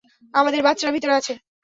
আমাদের বাচ্চারা ভিতরে আছে!